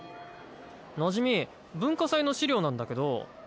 なじみ文化祭の資料なんだけど。